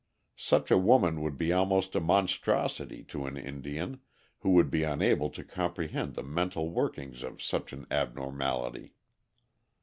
Such a woman would be almost a monstrosity to an Indian, who would be unable to comprehend the mental workings of such an abnormality.